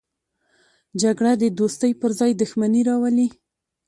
جګړه د دوستۍ پر ځای دښمني راولي